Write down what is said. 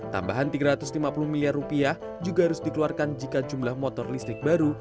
tambahan tiga ratus lima puluh miliar rupiah juga harus dikeluarkan jika jumlah motor listrik baru